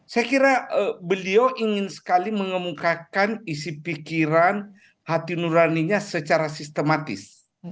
saya kira beliau ingin sekali mengemukakan isi pikiran hati nuraninya secara sistematis